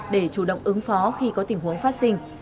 để chủ động ứng phó khi có tình huống phát sinh